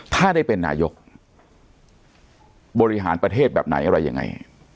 ถ้าได้เป็นนายกบริหารประเทศแบบไหนอะไรยังไง